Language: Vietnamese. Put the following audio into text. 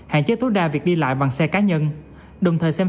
hạn chế tối đa việc đi lại bằng xe cá nhân